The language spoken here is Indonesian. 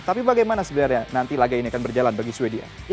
tapi bagaimana sebenarnya nanti laga ini akan berjalan bagi sweden